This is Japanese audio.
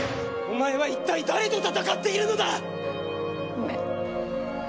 お前は一体誰と戦っているのだ⁉ごめん。